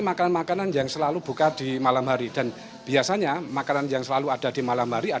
makanan makanan yang selalu buka di malam hari dan biasanya makanan yang selalu ada di malam hari